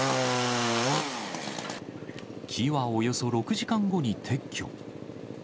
木はおよそ６時間後に撤去。